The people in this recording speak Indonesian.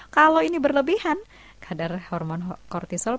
kalau ini berlebihan kadar hormon kortisol